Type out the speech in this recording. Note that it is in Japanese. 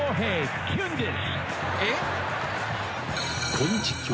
［この実況。